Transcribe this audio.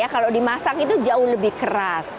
kalau dimasak itu jauh lebih keras